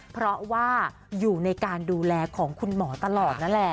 เพราะว่าอยู่ในการดูแลของคุณหมอตลอดนั่นแหละ